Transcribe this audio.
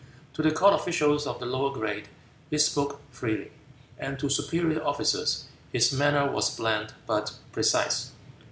To the court officials of the lower grade he spoke freely, and to superior officers his manner was bland but precise.